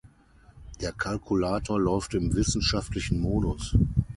Der Calculator läuft im wissenschaftlichen Modus.